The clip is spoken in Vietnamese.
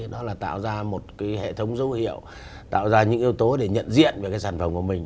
đó là tạo ra một cái hệ thống dấu hiệu tạo ra những yếu tố để nhận diện về cái sản phẩm của mình